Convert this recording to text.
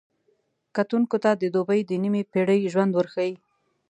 کتونکو ته د دوبۍ د نیمې پېړۍ ژوند ورښيي.